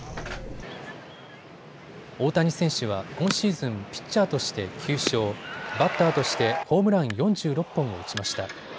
大谷選手は今シーズンピッチャーとして９勝、バッターとしてホームラン４６本を打ちました。